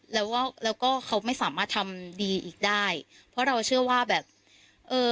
แล้วก็แล้วก็เขาไม่สามารถทำดีอีกได้เพราะเราเชื่อว่าแบบเอ่อ